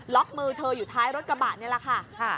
มือเธออยู่ท้ายรถกระบะนี่แหละค่ะ